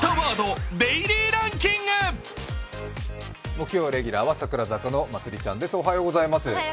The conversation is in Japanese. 木曜レギュラーは櫻坂のまつりちゃんです。